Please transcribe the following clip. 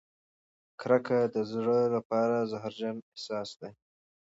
کرکه د زړه لپاره زهرجن احساس دی.